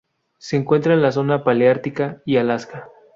Se encuentra en la zona paleártica y Alaska.